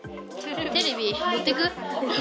テレビ、持ってく？